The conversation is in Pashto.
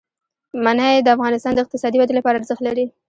منی د افغانستان د اقتصادي ودې لپاره ارزښت لري.